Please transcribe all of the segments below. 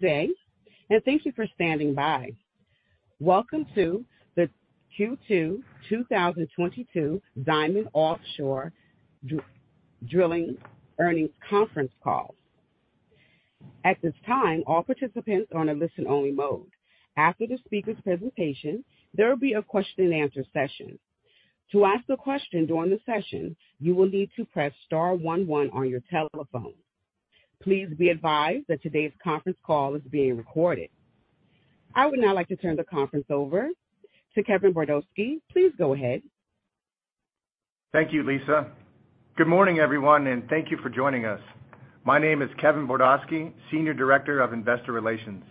Good day, and thank you for standing by. Welcome to the Q2 2022 Diamond Offshore Drilling earnings conference call. At this time, all participants are on a listen-only mode. After the speaker's presentation, there will be a question-and-answer session. To ask a question during the session, you will need to press star one one on your telephone. Please be advised that today's conference call is being recorded. I would now like to turn the conference over to Kevin Bordosky. Please go ahead. Thank you, Lisa. Good morning, everyone, and thank you for joining us. My name is Kevin Bordosky, Senior Director of Investor Relations.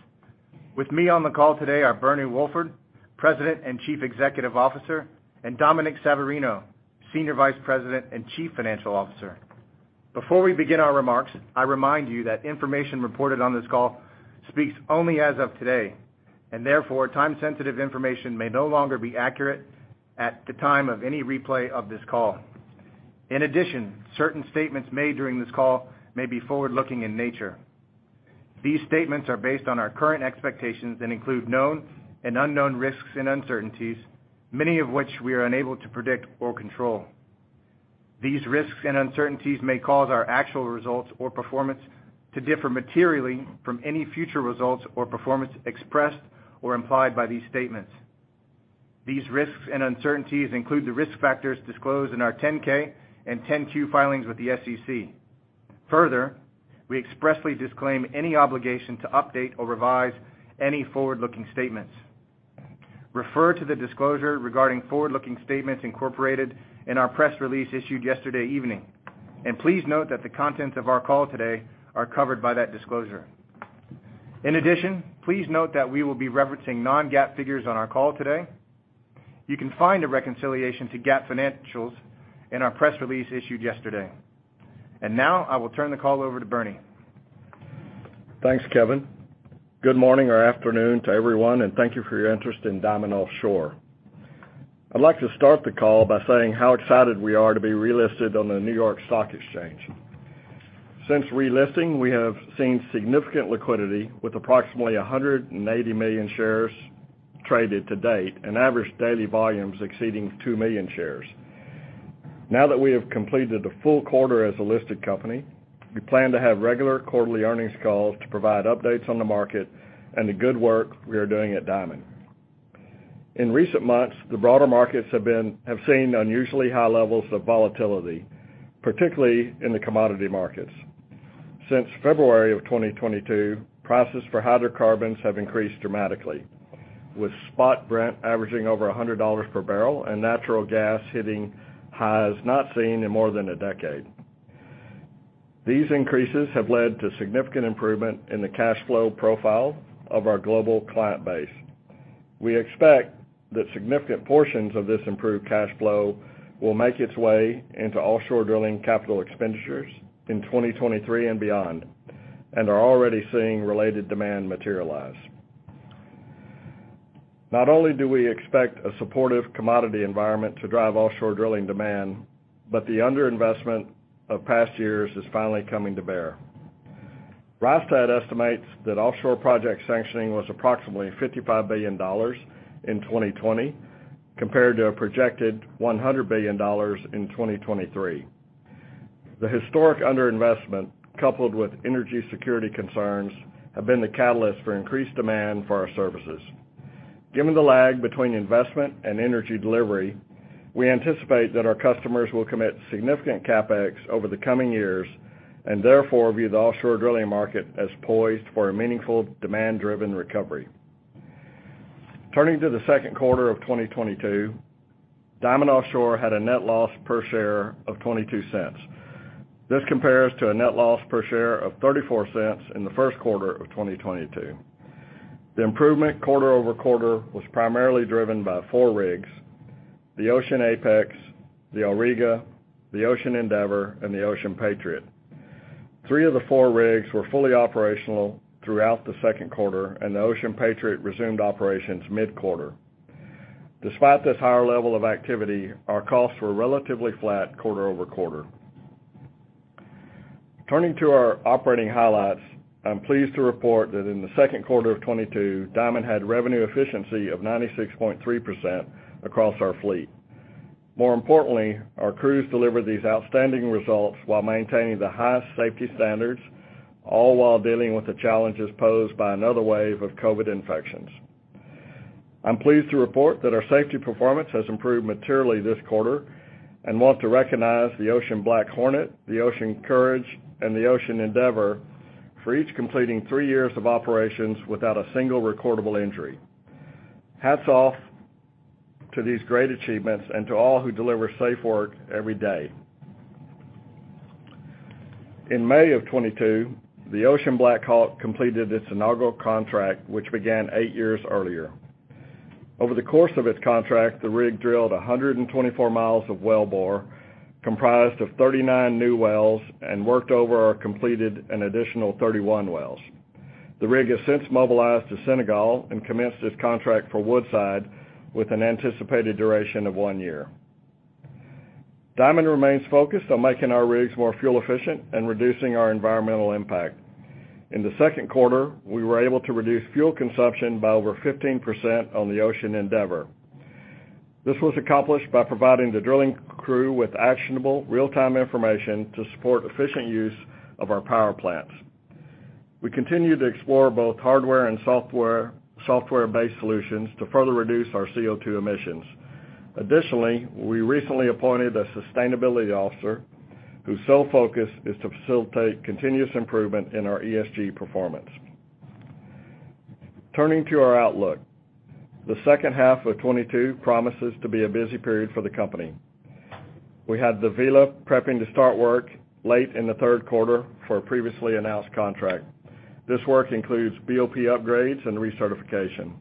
With me on the call today are Bernie Wolford, President and Chief Executive Officer, and Dominic Savarino, Senior Vice President and Chief Financial Officer. Before we begin our remarks, I remind you that information reported on this call speaks only as of today, and therefore, time-sensitive information may no longer be accurate at the time of any replay of this call. In addition, certain statements made during this call may be forward-looking in nature. These statements are based on our current expectations and include known and unknown risks and uncertainties, many of which we are unable to predict or control. These risks and uncertainties may cause our actual results or performance to differ materially from any future results or performance expressed or implied by these statements. These risks and uncertainties include the risk factors disclosed in our 10-K and 10-Q filings with the SEC. Further, we expressly disclaim any obligation to update or revise any forward-looking statements. Refer to the disclosure regarding forward-looking statements incorporated in our press release issued yesterday evening. Please note that the contents of our call today are covered by that disclosure. In addition, please note that we will be referencing non-GAAP figures on our call today. You can find a reconciliation to GAAP financials in our press release issued yesterday. Now, I will turn the call over to Bernie. Thanks, Kevin. Good morning or afternoon to everyone, and thank you for your interest in Diamond Offshore. I'd like to start the call by saying how excited we are to be relisted on the New York Stock Exchange. Since relisting, we have seen significant liquidity with approximately 180 million shares traded to date and average daily volumes exceeding 2 million shares. Now that we have completed a full quarter as a listed company, we plan to have regular quarterly earnings calls to provide updates on the market and the good work we are doing at Diamond. In recent months, the broader markets have seen unusually high levels of volatility, particularly in the commodity markets. Since February of 2022, prices for hydrocarbons have increased dramatically, with spot Brent averaging over $100 per barrel and natural gas hitting highs not seen in more than a decade. These increases have led to significant improvement in the cash flow profile of our global client base. We expect that significant portions of this improved cash flow will make its way into offshore drilling capital expenditures in 2023 and beyond, and are already seeing related demand materialize. Not only do we expect a supportive commodity environment to drive offshore drilling demand, but the under-investment of past years is finally coming to bear. Rystad estimates that offshore project sanctioning was approximately $55 billion in 2020, compared to a projected $100 billion in 2023. The historic under-investment, coupled with energy security concerns, have been the catalyst for increased demand for our services. Given the lag between investment and energy delivery, we anticipate that our customers will commit significant CapEx over the coming years, and therefore view the offshore drilling market as poised for a meaningful demand-driven recovery. Turning to the second quarter of 2022, Diamond Offshore Drilling had a net loss per share of $0.22. This compares to a net loss per share of $0.34 in the first quarter of 2022. The improvement quarter-over-quarter was primarily driven by four rigs: the Ocean Apex, the Auriga, the Ocean Endeavor, and the Ocean Patriot. Three of the four rigs were fully operational throughout the second quarter, and the Ocean Patriot resumed operations mid-quarter. Despite this higher level of activity, our costs were relatively flat quarter-over-quarter. Turning to our operating highlights, I'm pleased to report that in the second quarter of 2022, Diamond had revenue efficiency of 96.3% across our fleet. More importantly, our crews delivered these outstanding results while maintaining the highest safety standards, all while dealing with the challenges posed by another wave of COVID infections. I'm pleased to report that our safety performance has improved materially this quarter and want to recognize the Ocean BlackHornet, the Ocean Courage, and the Ocean Endeavor for each completing three years of operations without a single recordable injury. Hats off to these great achievements and to all who deliver safe work every day. In May of 2022, the Ocean BlackHawk completed its inaugural contract, which began eight years earlier. Over the course of its contract, the rig drilled 124 miles of well bore, comprised of 39 new wells and worked over or completed an additional 31 wells. The rig has since mobilized to Senegal and commenced its contract for Woodside with an anticipated duration of one year. Diamond remains focused on making our rigs more fuel efficient and reducing our environmental impact. In the second quarter, we were able to reduce fuel consumption by over 15% on the Ocean Endeavor. This was accomplished by providing the drilling crew with actionable real-time information to support efficient use of our power plants. We continue to explore both hardware and software-based solutions to further reduce our CO₂ emissions. Additionally, we recently appointed a sustainability officer whose sole focus is to facilitate continuous improvement in our ESG performance. Turning to our outlook. The second half of 2022 promises to be a busy period for the company. We have the Vela prepping to start work late in the third quarter for a previously announced contract. This work includes BOP upgrades and recertification.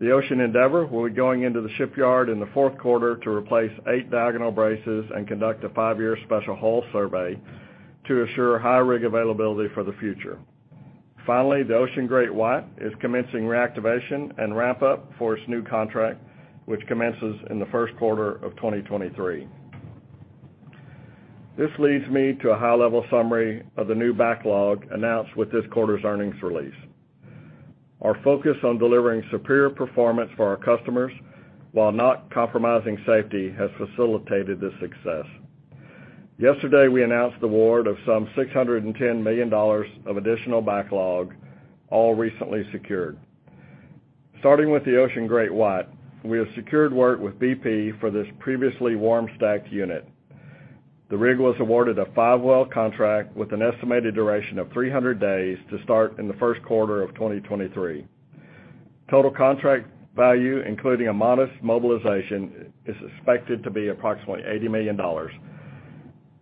The Ocean Endeavor will be going into the shipyard in the fourth quarter to replace eight diagonal braces and conduct a five-year special hull survey to assure high rig availability for the future. Finally, the Ocean GreatWhite is commencing reactivation and ramp up for its new contract, which commences in the first quarter of 2023. This leads me to a high-level summary of the new backlog announced with this quarter's earnings release. Our focus on delivering superior performance for our customers, while not compromising safety, has facilitated this success. Yesterday, we announced the award of some $610 million of additional backlog, all recently secured. Starting with the Ocean GreatWhite, we have secured work with BP for this previously warm stacked unit. The rig was awarded a five-well contract with an estimated duration of 300 days to start in the first quarter of 2023. Total contract value, including a modest mobilization, is expected to be approximately $80 million.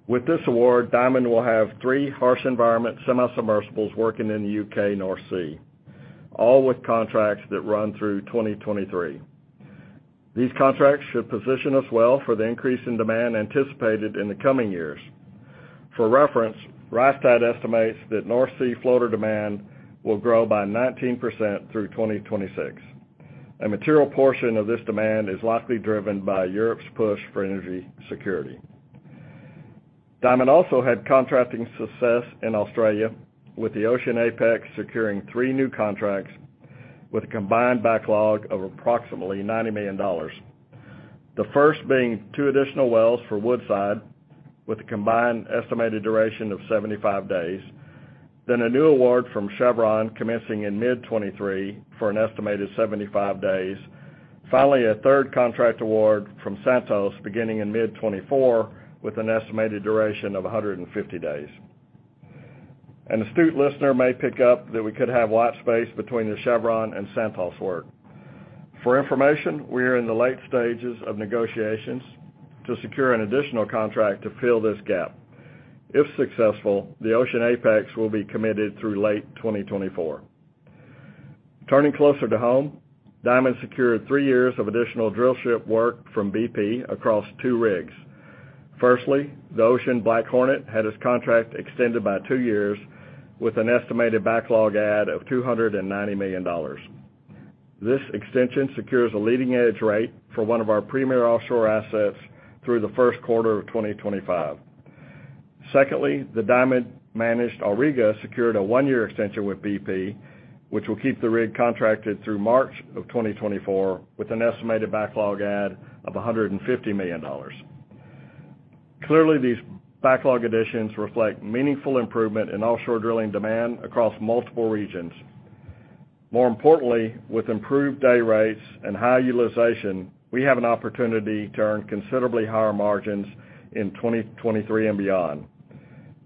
With this award, Diamond will have three harsh environment semi-submersibles working in the U.K. North Sea, all with contracts that run through 2023. These contracts should position us well for the increase in demand anticipated in the coming years. For reference, Rystad estimates that North Sea floater demand will grow by 19% through 2026. A material portion of this demand is likely driven by Europe's push for energy security. Diamond also had contracting success in Australia, with the Ocean Apex securing three new contracts with a combined backlog of approximately $90 million. The first being two additional wells for Woodside, with a combined estimated duration of 75 days. A new award from Chevron commencing in mid-2023 for an estimated 75 days. Finally, a third contract award from Santos beginning in mid-2024 with an estimated duration of 150 days. An astute listener may pick up that we could have white space between the Chevron and Santos work. For information, we are in the late stages of negotiations to secure an additional contract to fill this gap. If successful, the Ocean Apex will be committed through late 2024. Turning closer to home, Diamond secured three years of additional drillship work from BP across two rigs. Firstly, the Ocean BlackHornet had its contract extended by two years with an estimated backlog add of $290 million. This extension secures a leading-edge rate for one of our premier offshore assets through the first quarter of 2025. Secondly, the Diamond-managed Auriga secured a one-year extension with BP, which will keep the rig contracted through March of 2024, with an estimated backlog add of $150 million. Clearly, these backlog additions reflect meaningful improvement in offshore drilling demand across multiple regions. More importantly, with improved day rates and high utilization, we have an opportunity to earn considerably higher margins in 2023 and beyond.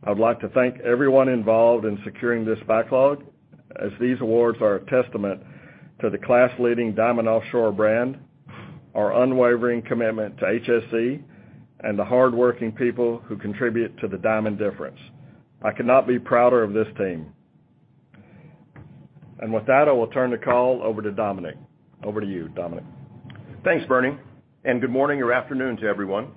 I'd like to thank everyone involved in securing this backlog, as these awards are a testament to the class-leading Diamond Offshore brand, our unwavering commitment to HSE, and the hardworking people who contribute to the Diamond difference. I could not be prouder of this team. With that, I will turn the call over to Dominic. Over to you, Dominic. Thanks, Bernie, and good morning or afternoon to everyone.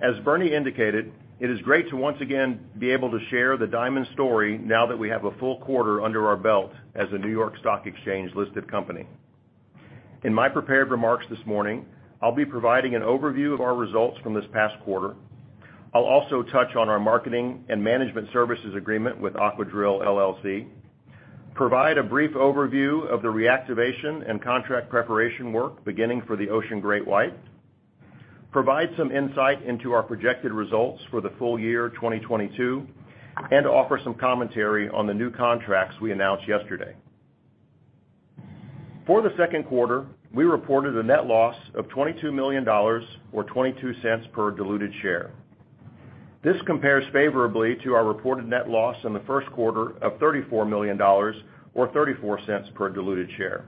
As Bernie indicated, it is great to once again be able to share the Diamond story now that we have a full quarter under our belt as a New York Stock Exchange-listed company. In my prepared remarks this morning, I'll be providing an overview of our results from this past quarter. I'll also touch on our marketing and management services agreement with Aquadrill LLC, provide a brief overview of the reactivation and contract preparation work beginning for the Ocean GreatWhite, provide some insight into our projected results for the full year 2022, and offer some commentary on the new contracts we announced yesterday. For the second quarter, we reported a net loss of $22 million or $0.22 per diluted share. This compares favorably to our reported net loss in the first quarter of $34 million or $0.34 per diluted share.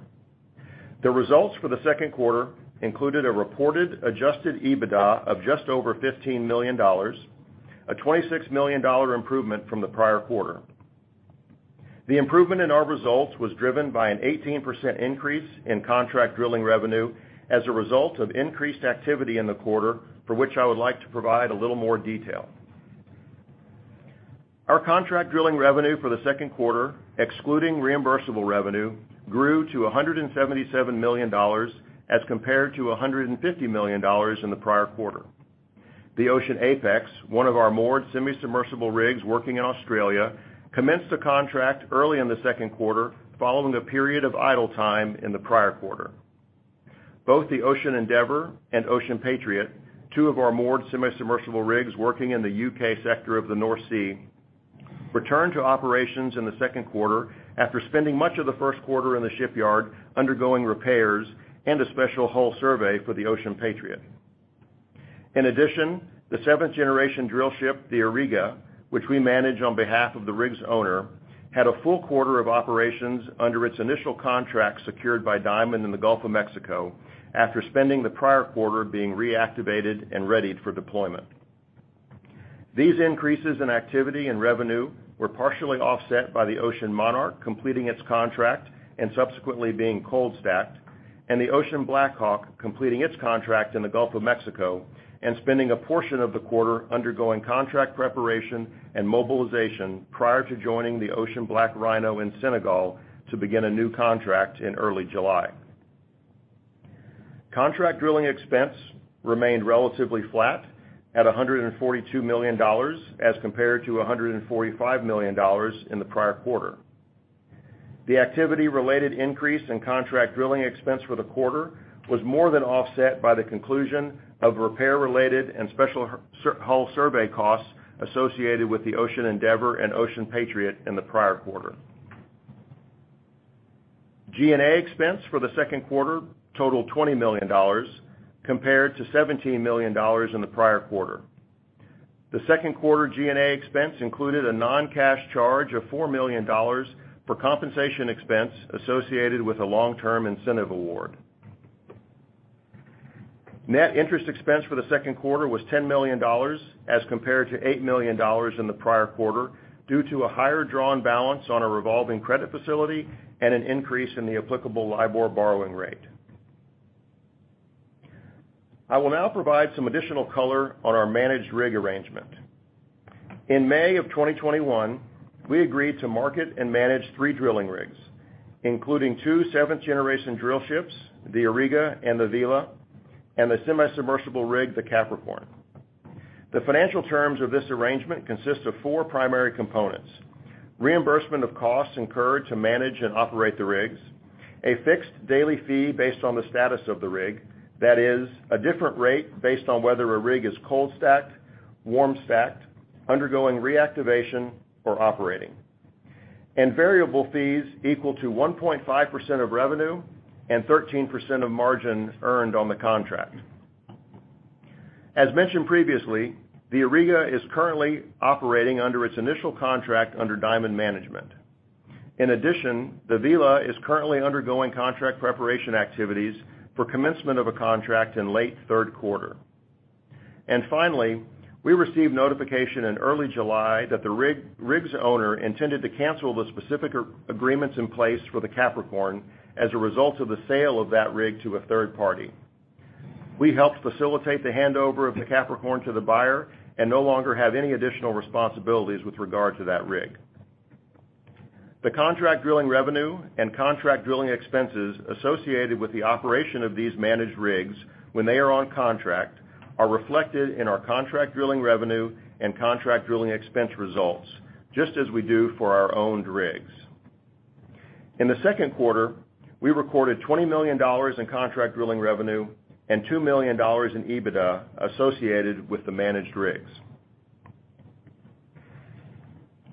The results for the second quarter included a reported adjusted EBITDA of just over $15 million, a $26 million improvement from the prior quarter. The improvement in our results was driven by an 18% increase in contract drilling revenue as a result of increased activity in the quarter, for which I would like to provide a little more detail. Our contract drilling revenue for the second quarter, excluding reimbursable revenue, grew to $177 million as compared to $150 million in the prior quarter. The Ocean Apex, one of our moored semi-submersible rigs working in Australia, commenced a contract early in the second quarter following a period of idle time in the prior quarter. Both the Ocean Endeavor and Ocean Patriot, two of our moored semi-submersible rigs working in the U.K. sector of the North Sea, returned to operations in the second quarter after spending much of the first quarter in the shipyard undergoing repairs, and a special hull survey for the Ocean Patriot. In addition, the seventh-generation drillship, the Auriga, which we manage on behalf of the rig's owner, had a full quarter of operations under its initial contract secured by Diamond in the Gulf of Mexico after spending the prior quarter being reactivated and readied for deployment. These increases in activity and revenue were partially offset by the Ocean Monarch completing its contract and subsequently being cold stacked, and the Ocean BlackHawk completing its contract in the Gulf of Mexico and spending a portion of the quarter undergoing contract preparation and mobilization prior to joining the Ocean BlackRhino in Senegal to begin a new contract in early July. Contract drilling expense remained relatively flat at $142 million as compared to $145 million in the prior quarter. The activity-related increase in contract drilling expense for the quarter was more than offset by the conclusion of repair-related and special hull survey costs associated with the Ocean Endeavor and Ocean Patriot in the prior quarter. G&A expense for the second quarter totaled $20 million compared to $17 million in the prior quarter. The second quarter G&A expense included a non-cash charge of $4 million for compensation expense associated with a long-term incentive award. Net interest expense for the second quarter was $10 million as compared to $8 million in the prior quarter due to a higher drawn balance on a revolving credit facility and an increase in the applicable LIBOR borrowing rate. I will now provide some additional color on our managed rig arrangement. In May of 2021, we agreed to market and manage three drilling rigs, including two seventh-generation drillships, the Auriga and the Vela, and the semi-submersible rig, the Capricorn. The financial terms of this arrangement consist of four primary components: reimbursement of costs incurred to manage and operate the rigs, a fixed daily fee based on the status of the rig - that is, a different rate based on whether a rig is cold stacked, warm stacked, undergoing reactivation, or operating - and variable fees equal to 1.5% of revenue, and 13% of margin earned on the contract. As mentioned previously, the Auriga is currently operating under its initial contract under Diamond Management. In addition, the Vela is currently undergoing contract preparation activities for commencement of a contract in late third quarter. Finally, we received notification in early July that the rig's owner intended to cancel the specific agreements in place for the Capricorn as a result of the sale of that rig to a third party. We helped facilitate the handover of the Capricorn to the buyer, and no longer have any additional responsibilities with regard to that rig. The contract drilling revenue and contract drilling expenses associated with the operation of these managed rigs when they are on contract are reflected in our contract drilling revenue and contract drilling expense results, just as we do for our owned rigs. In the second quarter, we recorded $20 million in contract drilling revenue and $2 million in EBITDA associated with the managed rigs.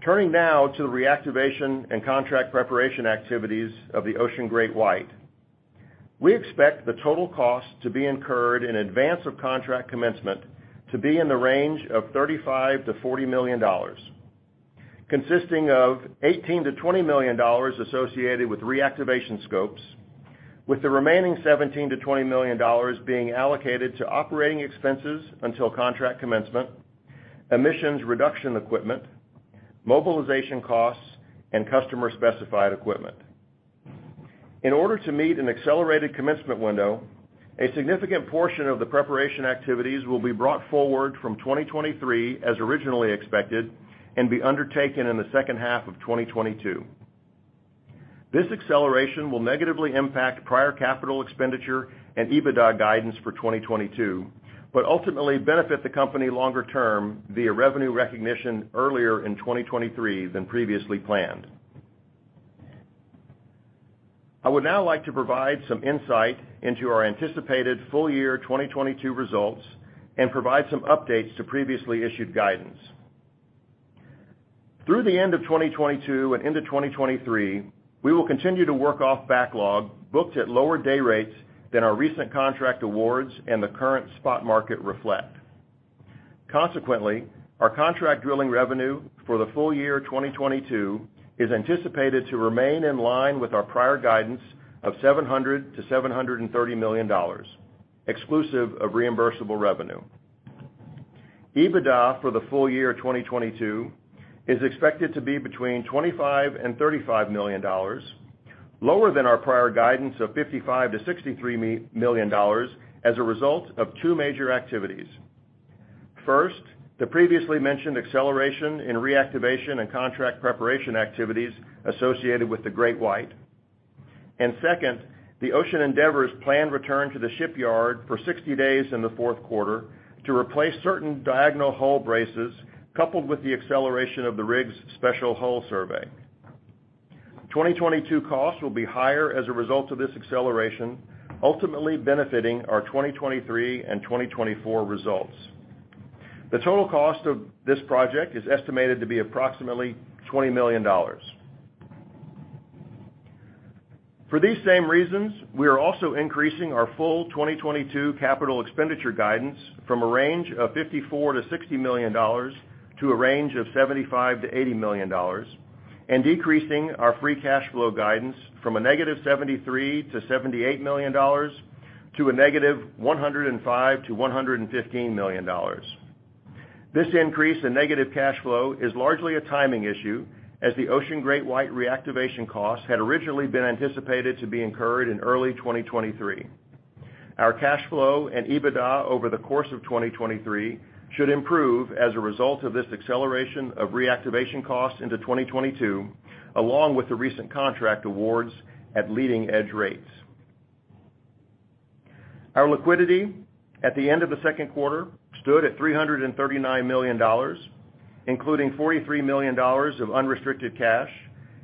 Turning now to the reactivation and contract preparation activities of the Ocean GreatWhite. We expect the total cost to be incurred in advance of contract commencement to be in the range of $35 million-$40 million, consisting of $18 million-$20 million associated with reactivation scopes, with the remaining $17 million-$20 million being allocated to operating expenses until contract commencement, emissions reduction equipment, mobilization costs, and customer-specified equipment. In order to meet an accelerated commencement window, a significant portion of the preparation activities will be brought forward from 2023 as originally expected and be undertaken in the second half of 2022. This acceleration will negatively impact prior capital expenditure and EBITDA guidance for 2022, but ultimately benefit the company longer term via revenue recognition earlier in 2023 than previously planned. I would now like to provide some insight into our anticipated full year 2022 results and provide some updates to previously issued guidance. Through the end of 2022 and into 2023, we will continue to work off backlog booked at lower day rates than our recent contract awards and the current spot market reflect. Consequently, our contract drilling revenue for the full year 2022 is anticipated to remain in line with our prior guidance of $700 million-$730 million, exclusive of reimbursable revenue. EBITDA for the full year 2022 is expected to be between $25 million-$35 million. Lower than our prior guidance of $55 million-$63 million as a result of two major activities. First, the previously mentioned acceleration in reactivation and contract preparation activities associated with the Ocean GreatWhite. Second, the Ocean Endeavor's planned return to the shipyard for 60 days in the fourth quarter to replace certain diagonal hull braces, coupled with the acceleration of the rig's special hull survey. 2022 costs will be higher as a result of this acceleration, ultimately benefiting our 2023 and 2024 results. The total cost of this project is estimated to be approximately $20 million. For these same reasons, we are also increasing our full 2022 capital expenditure guidance from a range of $54 million-$60 million to a range of $75 million-$80 million, and decreasing our free cash flow guidance from -$73 million to -$78 million to -$105 million to -$115 million. This increase in negative cash flow is largely a timing issue as the Ocean GreatWhite reactivation cost had originally been anticipated to be incurred in early 2023. Our cash flow and EBITDA over the course of 2023 should improve as a result of this acceleration of reactivation costs into 2022, along with the recent contract awards at leading-edge rates. Our liquidity at the end of the second quarter stood at $339 million, including $43 million of unrestricted cash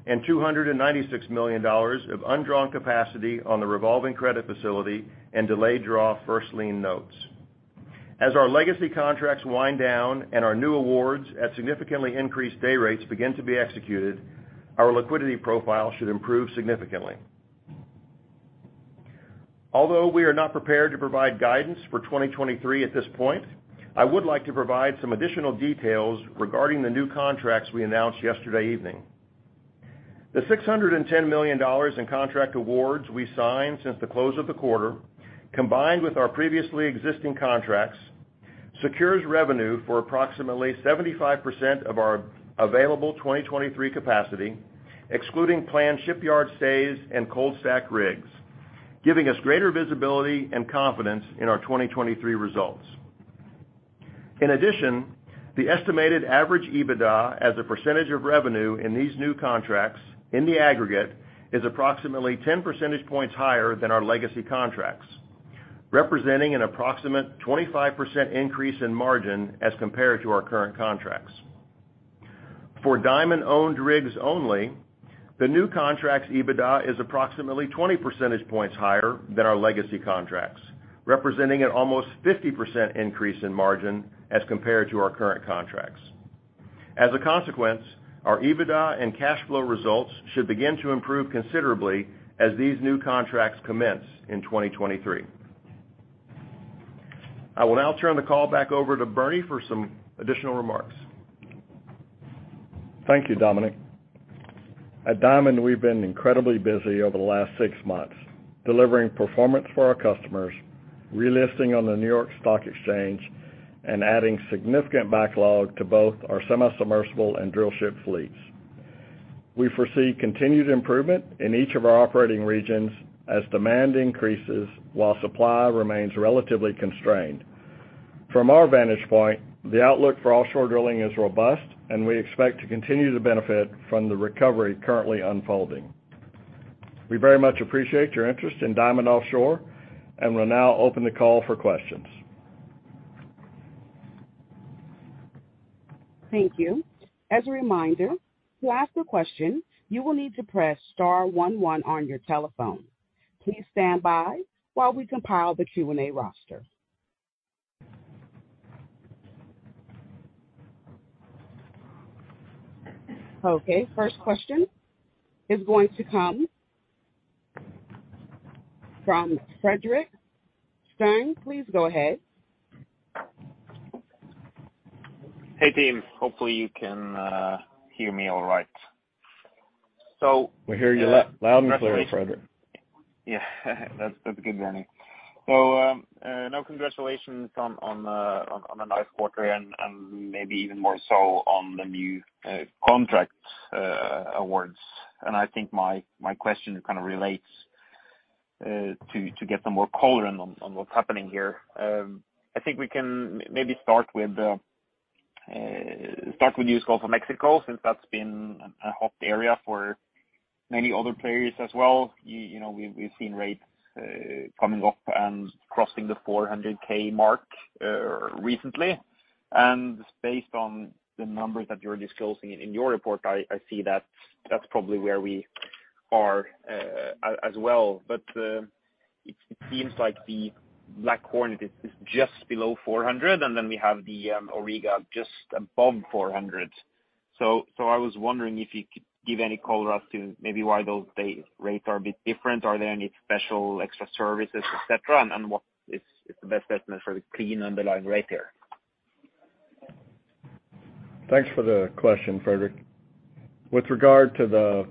and $296 million of undrawn capacity on the revolving credit facility and delayed draw first lien notes. As our legacy contracts wind down and our new awards at significantly increased day rates begin to be executed, our liquidity profile should improve significantly. Although we are not prepared to provide guidance for 2023 at this point, I would like to provide some additional details regarding the new contracts we announced yesterday evening. The $610 million in contract awards we signed since the close of the quarter, combined with our previously existing contracts, secures revenue for approximately 75% of our available 2023 capacity, excluding planned shipyard stays and cold-stacked rigs, giving us greater visibility and confidence in our 2023 results. In addition, the estimated average EBITDA as a percentage of revenue in these new contracts in the aggregate is approximately 10 percentage points higher than our legacy contracts, representing an approximate 25% increase in margin as compared to our current contracts. For Diamond-owned rigs only, the new contracts EBITDA is approximately 20 percentage points higher than our legacy contracts, representing an almost 50% increase in margin as compared to our current contracts. As a consequence, our EBITDA and cash flow results should begin to improve considerably as these new contracts commence in 2023. I will now turn the call back over to Bernie for some additional remarks. Thank you, Dominic. At Diamond, we've been incredibly busy over the last six months, delivering performance for our customers, relisting on the New York Stock Exchange, and adding significant backlog to both our semi-submersible and drillship fleets. We foresee continued improvement in each of our operating regions as demand increases while supply remains relatively constrained. From our vantage point, the outlook for offshore drilling is robust, and we expect to continue to benefit from the recovery currently unfolding. We very much appreciate your interest in Diamond Offshore, and we'll now open the call for questions. Thank you. As a reminder, to ask a question, you will need to press star one one on your telephone. Please stand by while we compile the Q&A roster. Okay. First question is going to come from Eddie Kim. Please go ahead. Hey, team. Hopefully, you can hear me all right. We hear you loud and clear, Eddie. Yeah. That's good, Bernie. Now, congratulations on a nice quarter and maybe even more so on the new contract awards. I think my question kind of relates to get some more color on what's happening here. I think we can maybe start with U.S. Gulf of Mexico since that's been a hot area for many other players as well. You know, we've seen rates coming up and crossing the $400,000 mark recently. Based on the numbers that you're disclosing in your report, I see that's probably where we are as well. It seems like the BlackHornet is just below $400,000, and then we have the Auriga just above $400,000. I was wondering if you could give any color as to maybe why those rates are a bit different. Are there any special extra services, et cetera? What is the best estimate for the clean underlying rate there? Thanks for the question, Eddie. With regard to the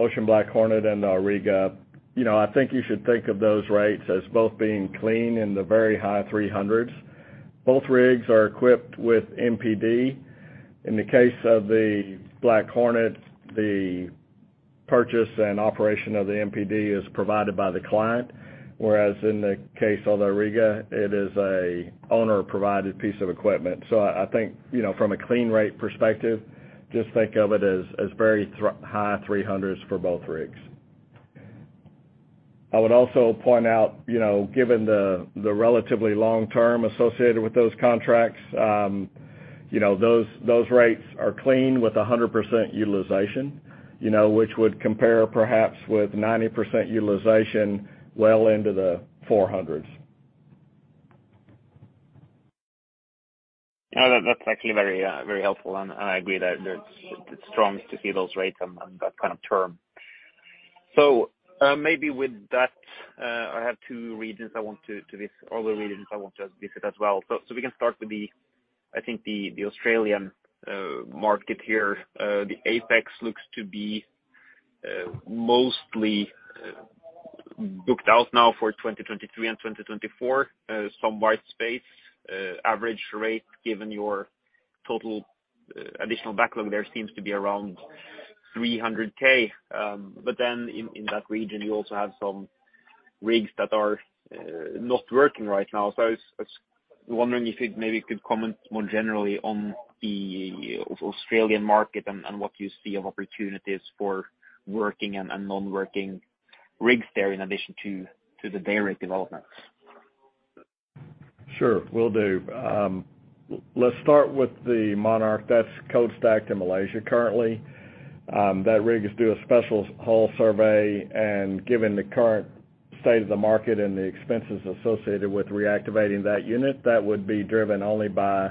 Ocean BlackHornet and Auriga, you know, I think you should think of those rates as both being clean in the very high 300s. Both rigs are equipped with MPD. In the case of the BlackHornet, the purchase and operation of the MPD is provided by the client, whereas in the case of the Auriga, it is a owner-provided piece of equipment. I think, you know, from a clean rate perspective, just think of it as very high 300s for both rigs. I would also point out, you know, given the relatively long term associated with those contracts, you know, those rates are clean with 100% utilization, you know, which would compare perhaps with 90% utilization well into the 400s. No, that's actually very helpful, and I agree that it's strong to see those rates on that kind of term. Maybe with that, I have the regions I want to visit as well. We can start with the Australian market here, I think. The Ocean Apex looks to be mostly booked out now for 2023 and 2024, some white space, average rate given your total additional backlog there seems to be around $300,000. In that region you also have some rigs that are not working right now. I was wondering if you maybe could comment more generally on the Australian market and what you see of opportunities for working and non-working rigs there in addition to the day rate developments. Sure, will do. Let's start with the Monarch that's cold stacked in Malaysia currently. That rig is due a special hull survey, and given the current state of the market and the expenses associated with reactivating that unit, that would be driven only by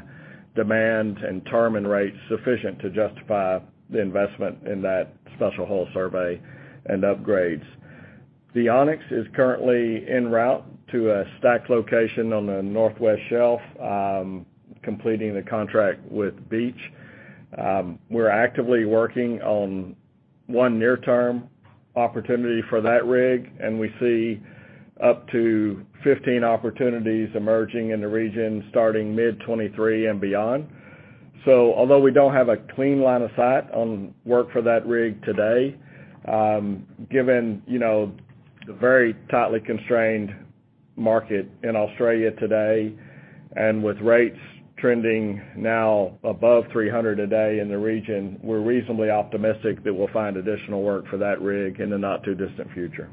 demand and term and rates sufficient to justify the investment in that special hull survey and upgrades. The Onyx is currently en route to a stacked location on the Northwest Shelf, completing a contract with Beach. We're actively working on one near-term opportunity for that rig, and we see up to 15 opportunities emerging in the region starting mid-2023 and beyond. Although we don't have a clean line of sight on work for that rig today, given, you know, the very tightly constrained market in Australia today, and with rates trending now above $300,000 a day in the region, we're reasonably optimistic that we'll find additional work for that rig in the not too distant future.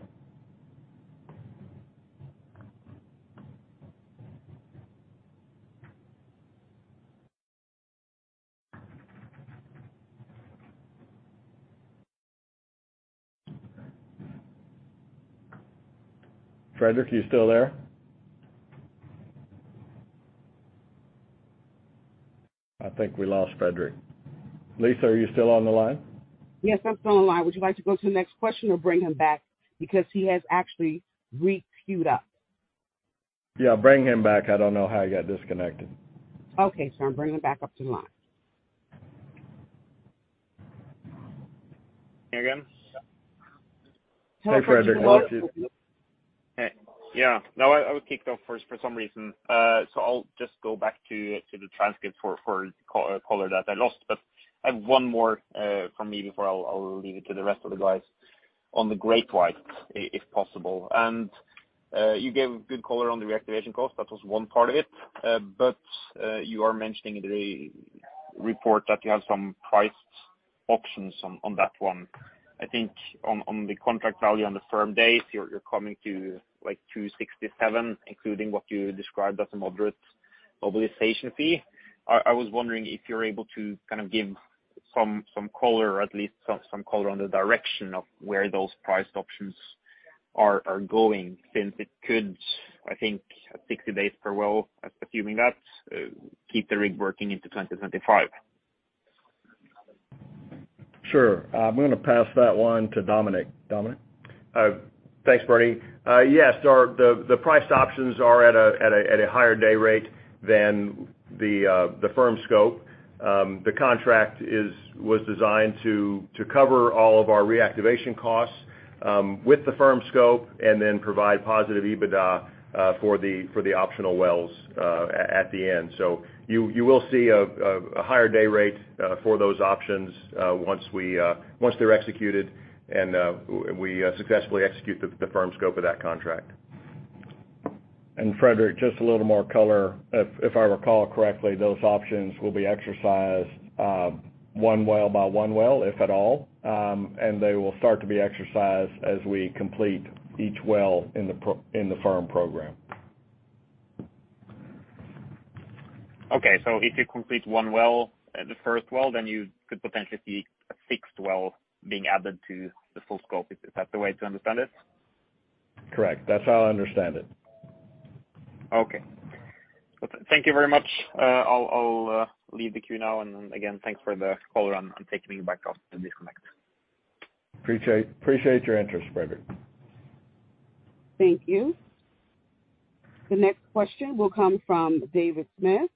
Eddie, you still there? I think we lost Eddie. Lisa, are you still on the line? Yes, I'm still on the line. Would you like to go to the next question or bring him back? Because he has actually re-queued up. Yeah, bring him back. I don't know how he got disconnected. Okay, sir. I'm bringing him back up to the line. Here again. Hey, Eddie. Yeah. No, I was kicked off for some reason. So I'll just go back to the transcript for color that I lost. But I have one more from me before I'll leave it to the rest of the guys on the GreatWhite, if possible. You gave good color on the reactivation cost, that was one part of it. But you are mentioning in the report that you have some priced options on that one. I think on the contract value on the firm days, you're coming to like $267, including what you described as a moderate mobilization fee. I was wondering if you're able to kind of give some color or at least some color on the direction of where those priced options are going, since it could, I think, 60 days per well, assuming that keep the rig working into 2025. Sure. I'm gonna pass that one to Dominic. Dominic? Thanks, Bernie. Yes, the priced options are at a higher day rate than the firm scope. The contract was designed to cover all of our reactivation costs with the firm scope and then provide positive EBITDA for the optional wells at the end. You will see a higher day rate for those options once they're executed and we successfully execute the firm scope of that contract. Eddie, just a little more color. If I recall correctly, those options will be exercised, one well by one well, if at all. They will start to be exercised as we complete each well in the firm program. Okay. If you complete one well, the first well, then you could potentially see a fixed well being added to the full scope. Is that the way to understand it? Correct. That's how I understand it. Okay. Thank you very much. I'll leave the queue now and again, thanks for the call and taking me back after the disconnect. Appreciate your interest, Eddie. Thank you. The next question will come from David Smith.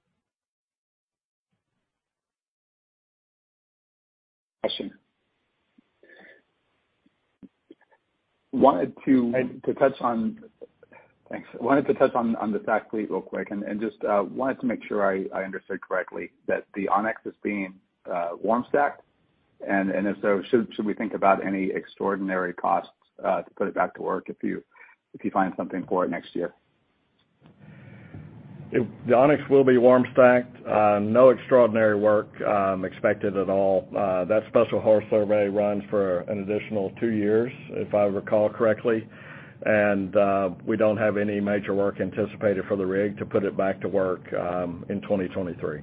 Wanted to touch on the stack fleet real quick, and just wanted to make sure I understood correctly that the Onyx is being warm stacked. If so, should we think about any extraordinary costs to put it back to work if you find something for it next year? The Ocean Onyx will be warm stacked. No extraordinary work expected at all. That special hull survey runs for an additional two years, if I recall correctly. We don't have any major work anticipated for the rig to put it back to work in 2023.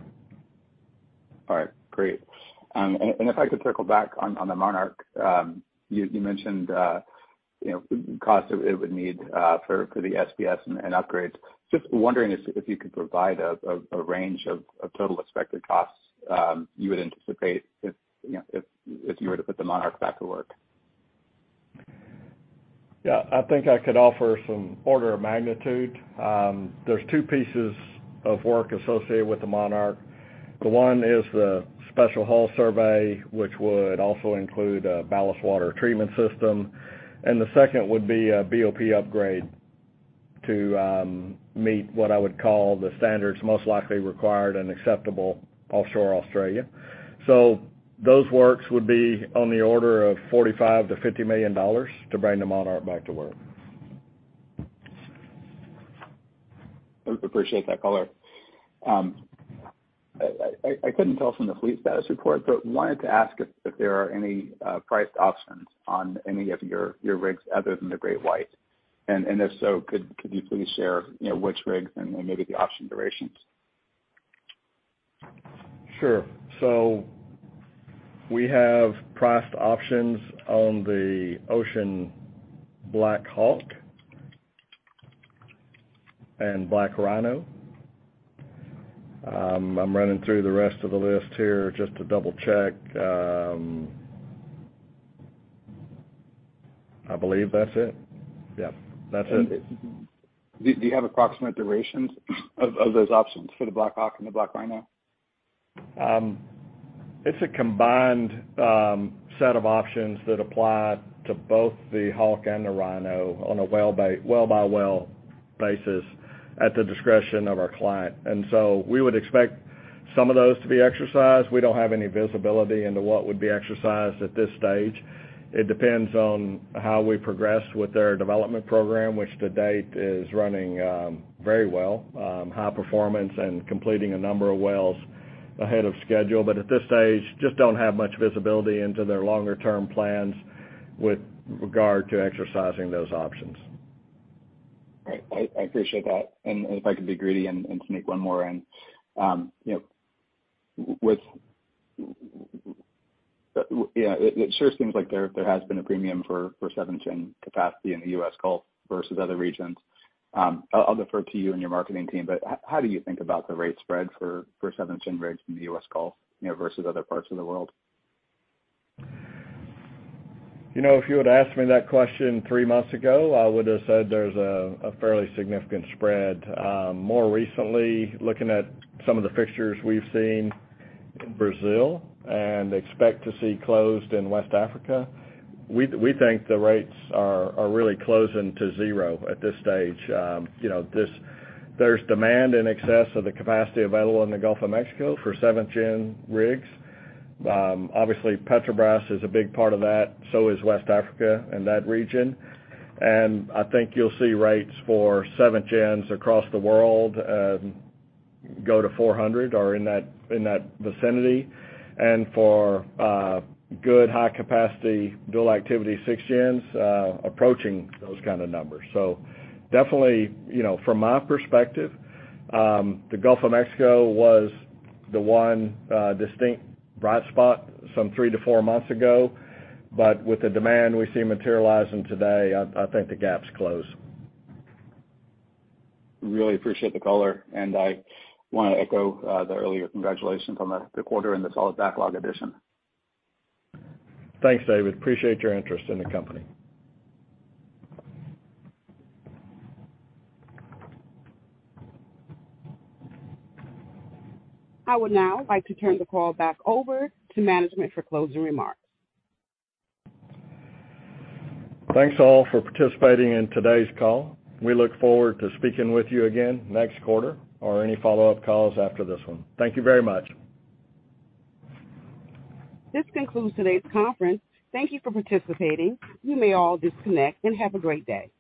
All right, great. If I could circle back on the Monarch. You mentioned, you know, costs that it would need for the SPS and upgrades. Just wondering if you could provide a range of total expected costs you would anticipate if, you know, if you were to put the Monarch back to work. Yeah, I think I could offer some order of magnitude. There's two pieces of work associated with the Monarch. The one is the special hull survey, which would also include a ballast water treatment system, and the second would be a BOP upgrade to meet what I would call the standards most likely required and acceptable offshore Australia. Those works would be on the order of $45 million-$50 million to bring the Monarch back to work. Appreciate that color. I couldn't tell from the fleet status report, but wanted to ask if there are any priced options on any of your rigs other than the GreatWhite. If so, could you please share, you know, which rigs and maybe the option durations? Sure. We have priced options on the Ocean BlackHawk and Ocean BlackRhino. I'm running through the rest of the list here just to double-check. I believe that's it. Yeah, that's it. Do you have approximate durations of those options for the BlackHawk and the BlackRhino? It's a combined set of options that apply to both the Hawk and the Rhino on a well-by-well basis at the discretion of our client. We would expect some of those to be exercised. We don't have any visibility into what would be exercised at this stage. It depends on how we progress with their development program, which to date is running very well, high performance and completing a number of wells ahead of schedule. At this stage, just don't have much visibility into their longer-term plans with regard to exercising those options. Great. I appreciate that. If I could be greedy and sneak one more in. It sure seems like there has been a premium for seventh-gen capacity in the U.S. Gulf versus other regions. I'll defer to you and your marketing team, but how do you think about the rate spread for seventh-gen rigs in the U.S. Gulf, you know, versus other parts of the world? You know, if you would've asked me that question three months ago, I would have said there's a fairly significant spread. More recently, looking at some of the fixtures we've seen in Brazil and expect to see closed in West Africa, we think the rates are really closing to zero at this stage. You know, there's demand in excess of the capacity available in the Gulf of Mexico for seventh-gen rigs. Obviously Petrobras is a big part of that, so is West Africa and that region. I think you'll see rates for seventh-gens across the world go to $400 or in that vicinity. For good high capacity dual activity sixth-gens approaching those kind of numbers. Definitely, you know, from my perspective, the Gulf of Mexico was the one distinct bright spot some three to four months ago. With the demand we see materializing today, I think the gap's closed. Really appreciate the color. I wanna echo the earlier congratulations on the quarter and the solid backlog addition. Thanks, David. Appreciate your interest in the company. I would now like to turn the call back over to management for closing remarks. Thanks all for participating in today's call. We look forward to speaking with you again next quarter or any follow-up calls after this one. Thank you very much. This concludes today's conference. Thank you for participating. You may all disconnect, and have a great day.